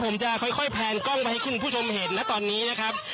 ผมจะค่อยแพนกล้องไปให้คุณผู้ชมเห็นนะตอนนี้นะครับ